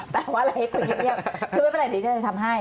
แปลว่าอะไรให้คนเงียบคือไม่เป็นไรเดี๋ยวฉันจะทำให้